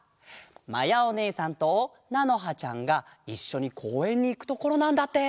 まやおねえさんとなのはちゃんがいっしょにこうえんにいくところなんだって！